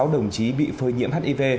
tám mươi sáu đồng chí bị phơi nhiễm hiv